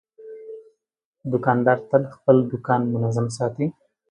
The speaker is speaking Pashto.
دوکاندار تل خپل دوکان منظم ساتي.